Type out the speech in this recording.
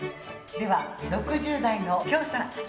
では６０代の許さん。